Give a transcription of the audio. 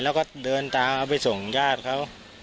แล้วก็เดินตามเอาไปส่งญาติเขา